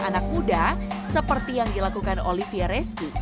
bukan ngongkrong anak muda seperti yang dilakukan olivia reski